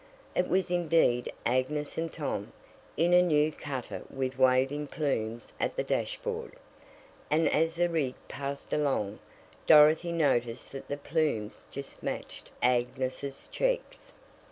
It was indeed Agnes and Tom, in a new cutter with waving plumes at the dashboard, and as the rig passed along, Dorothy noticed that the plumes just matched Agnes' cheeks.